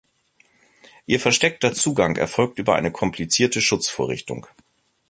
Ihr versteckter Zugang erfolgt über eine komplizierte Schutzvorrichtung.